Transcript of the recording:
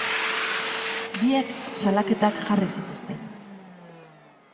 Biek salaketak jarri zituzten.